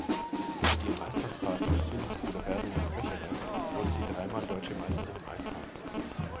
Mit ihrem Eistanzpartner und Zwillingsbruder Ferdinand Becherer wurde sie dreimal Deutsche Meisterin im Eistanz.